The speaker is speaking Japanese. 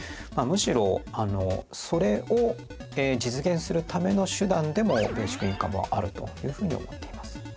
むしろそれを実現するための手段でもベーシックインカムはあるというふうに思っています。